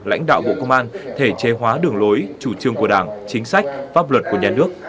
lãnh đạo bộ công an thể chế hóa đường lối chủ trương của đảng chính sách pháp luật của nhà nước